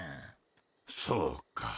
そうか。